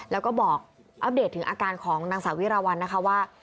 แล้วก็บอกอัพเดทถึงอาการหลังสาวิรวรรณนะคะว่า